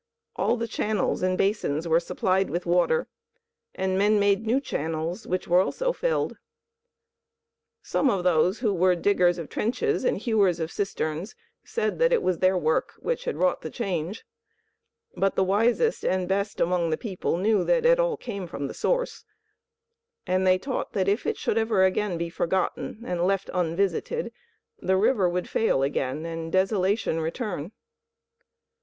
All the channels and the basins were supplied with water, and men made new channels which were also filled. Some of those who were diggers of trenches and hewers of cisterns said that it was their work which had wrought the change. But the wisest and best among the people knew that it all came from the Source, and they taught that if it should ever again be forgotten and left unvisited the river would fail again and desolation return.